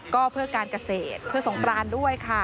ก็เพื่อการเกษตรเพื่อสงกรานด้วยค่ะ